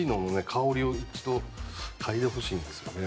香りを一度嗅いでほしいんですよね。